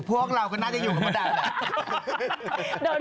พวกเราก็น่าจะอยู่ธรรมดาแหละ